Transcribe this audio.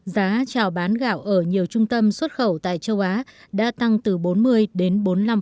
giá trào bán gạo ở nhiều trung tâm xuất khẩu tại châu á đã tăng từ bốn mươi đến bốn mươi năm